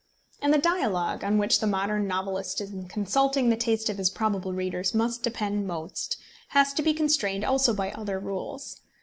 And the dialogue, on which the modern novelist in consulting the taste of his probable readers must depend most, has to be constrained also by other rules.